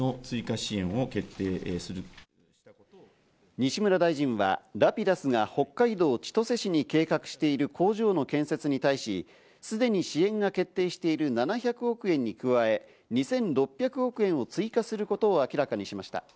西村大臣は、ラピダスが北海道千歳市に計画している工場の建設に対し、すでに支援が決定している７００億円に加え、２６００億円を追加することを明らかにしました。